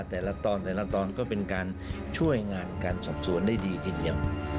แต่ละตอนแต่ละตอนก็เป็นการช่วยงานการสอบสวนได้ดีทีเดียว